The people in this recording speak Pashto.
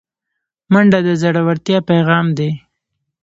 منډه د زړورتیا پیغام دی